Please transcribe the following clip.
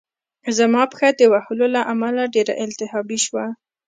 زما پښه د وهلو له امله ډېره التهابي شوه